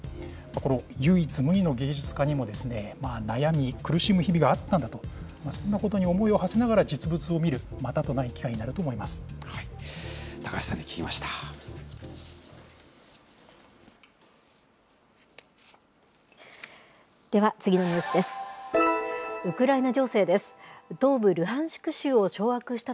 この唯一無二の芸術家にも悩み、苦しむ日々があったんだと、そんなことに思いをはせながら実物を見る、またとない機会になる高橋さんに聞きました。